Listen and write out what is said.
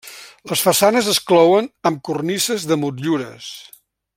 Les façanes es clouen amb cornises de motllures.